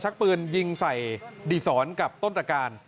ปืนยิงใส่ดีสอนกับต้นตรการ